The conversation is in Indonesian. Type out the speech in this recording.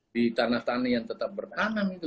di tanah tani yang tetap bertanam itu